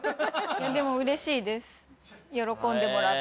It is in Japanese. でもうれしいです喜んでもらって。